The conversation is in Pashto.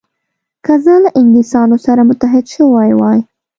که زه له انګلیسانو سره متحد شوی وای.